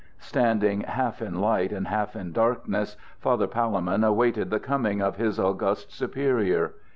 Standing half in light and half in darkness, Father Palemon awaited the coming of his august superior.